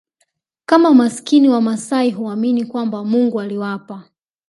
kama maskini Wamasai huamini kwamba Mungu aliwapa